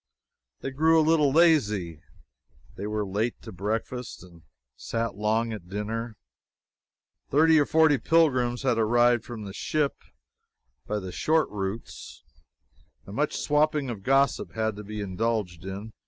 They grew a little lazy. They were late to breakfast and sat long at dinner. Thirty or forty pilgrims had arrived from the ship, by the short routes, and much swapping of gossip had to be indulged in.